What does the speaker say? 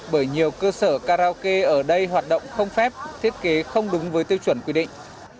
bởi nhiều cơ sở karaoke ở đây hoạt động không phép thiết kế không đúng với tiêu chuẩn quy định